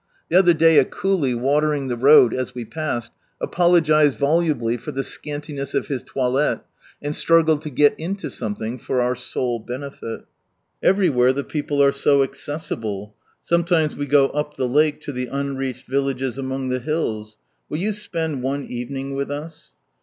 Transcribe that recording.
The other day a coolie watering ihe road, as we passed, apologized volubly for the scantiness of his toilette, and struggled to get into something, for our sole benefit. Everywhere the people are so accessible. Sometimes we go up the lake to the unreached villages among the hills. Will you spend one evening with us